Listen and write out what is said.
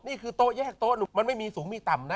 นี่คือโต๊ะแยกโต๊ะมันไม่มีสูงมีต่ำนะ